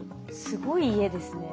すごい家ですね。